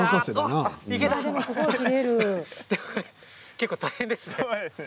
結構、大変ですね。